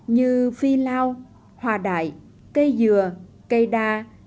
như phi lao hoa đại cây dừa cây đa